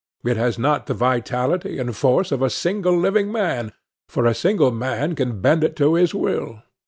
It has not the vitality and force of a single living man; for a single man can bend it to his will.